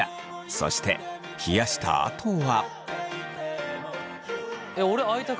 そして冷やしたあとは。